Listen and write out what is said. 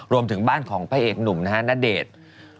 รวมถึงบ้านของพระเอกหนุ่มนะฮะณเดชน์